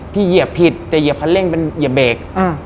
เหยียบผิดจะเหยียบคันเร่งเป็นเหยียบเบรก